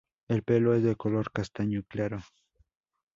El pelo es de color castaño claro.